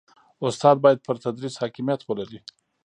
استاد باید پر تدریس حاکمیت ولري.